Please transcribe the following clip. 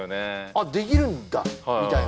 あできるんだみたいな